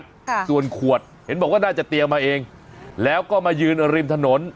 ค่ะส่วนขวดเห็นบอกว่าน่าจะเตรียมมาเองแล้วก็มายืนริมถนน